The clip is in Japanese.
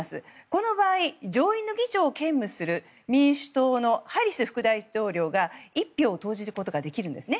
この場合、上院の議長を兼務する民主党のハリス副大統領が１票を投票することができるんです。